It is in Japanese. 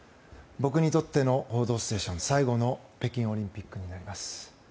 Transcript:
僕にとっての「報道ステーション」最後の北京オリンピックになります。